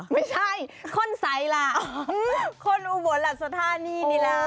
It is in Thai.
ไม่ใช่คนใสล่ะคนอุบลละสถานีนี่ล่ะ